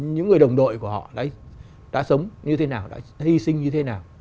những người đồng đội của họ đã sống như thế nào đã hy sinh như thế nào